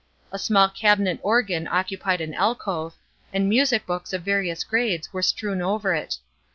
A small cabinet organ occupied an alcove, and music books of various grades were strewn over it.